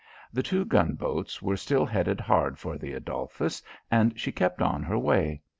The two gunboats were still headed hard for the Adolphus and she kept on her way.